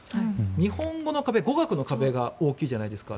日本語の壁、語学の壁が大きいじゃないですか。